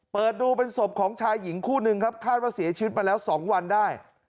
เปิดดูเป็นศพของชายหญิงคู่นึงครับคาดว่าเสียชีวิตมาแล้ว๒วันได้